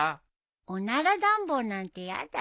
おなら暖房なんて嫌だよ。